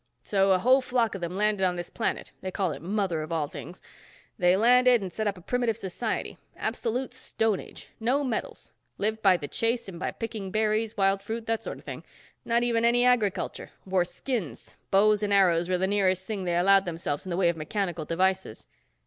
So a whole flock of them landed on this planet. They call it Mother, of all things. They landed and set up a primitive society. Absolute stone age. No metals. Lived by the chase and by picking berries, wild fruit, that sort of thing. Not even any agriculture. Wore skins. Bows and arrows were the nearest thing they allowed themselves in the way of mechanical devices."